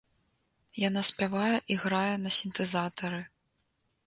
Яна спявае і грае на сінтэзатары.